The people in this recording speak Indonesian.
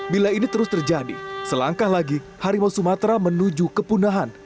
bila ini terus terjadi selangkah lagi harimau sumatera menuju kepunahan